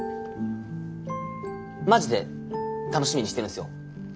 マジで楽しみにしてるんすよ。